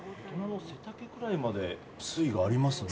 背丈くらいまで水位がありますね。